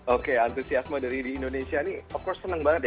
oke antusiasme dari di indonesia ini of course seneng banget ya